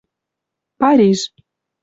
Париж